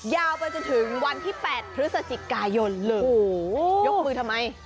ยาวไปจนถึงวันที่๘พฤศจิกายนเลยโอ้โหยกมือทำไม